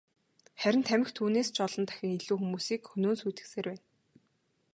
Харин тамхи түүнээс ч олон дахин илүү хүмүүсийг хөнөөн сүйтгэсээр байна.